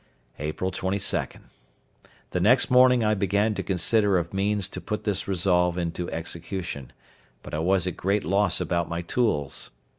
April 22.—The next morning I begin to consider of means to put this resolve into execution; but I was at a great loss about my tools.